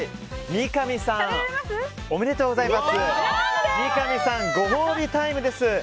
三上さん、ご褒美タイムです。